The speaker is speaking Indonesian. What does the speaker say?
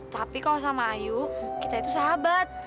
tapi kalau sama ayu kita itu sahabat